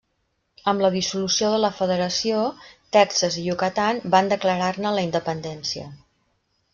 Amb la dissolució de la federació, Texas i Yucatán, van declarar-ne la independència.